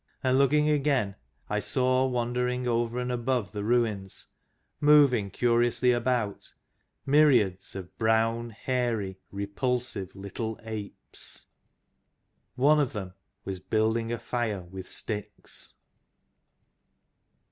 And looking again I saw wandering over and above the ruins, moving curiously about, myriads of brown, hairy, repulsive little apes. One of them was building a fire with sticks.